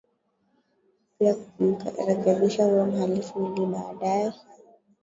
pia kwa kumrekebisha huyo mhalifu ili baadaye